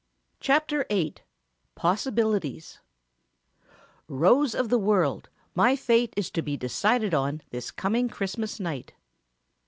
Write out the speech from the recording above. CHAPTER VIII Possibilities "'Rose of the World,' my fate is to be decided on this coming Christmas night."